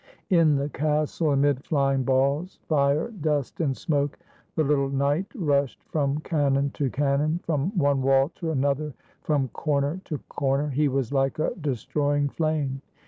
In the castle, amid flying balls, fire, dust, and smoke, the little knight rushed from cannon to cannon, from one wall to another, from corner to corner; he was like a destroying flame.